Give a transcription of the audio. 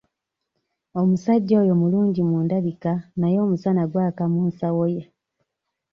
Omusajja oyo mulungi mu ndabika naye omusana gwaka mu nsawo ye.